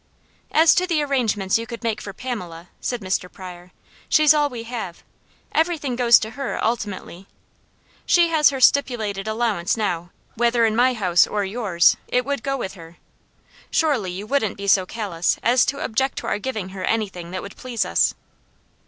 "As to the arrangements you could make for Pamela," said Mr. Pryor, "she's all we have. Everything goes to her, ultimately. She has her stipulated allowance now; whether in my house or yours, it would go with her. Surely you wouldn't be so callous as to object to our giving her anything that would please us!"